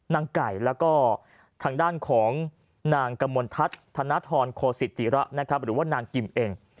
นางไก่และก็ทางด้านของนางกำวลทัศน์ธนทรโคสิธิระหรือนางกิมเอง